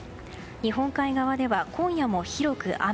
日本海側では、今夜も広く雨。